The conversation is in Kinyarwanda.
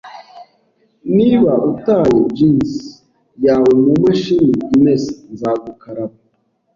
Niba utaye jeans yawe mumashini imesa, nzagukaraba.